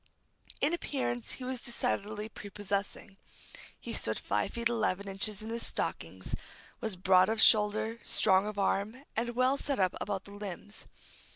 In appearance he was decidedly prepossessing. He stood five feet eleven inches in his stockings; was broad of shoulder, strong of arm, and well set up about the limbs.